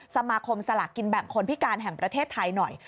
สมาคมสลากกินแบ่งคนพิการแห่งประเทศไทยหน่อย